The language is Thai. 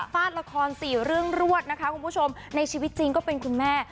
ฟาดละครสี่เรื่องรวดนะคะคุณผู้ชมในชีวิตจริงก็เป็นคุณแม่